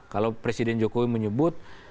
kalau presiden jokowi menyebut